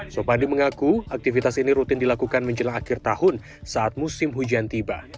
sopandi mengaku aktivitas ini rutin dilakukan menjelang akhir tahun saat musim hujan tiba